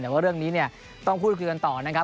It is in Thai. แต่ว่าเรื่องนี้เนี่ยต้องพูดคุยกันต่อนะครับ